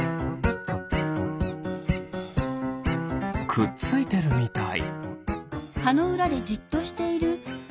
くっついてるみたい。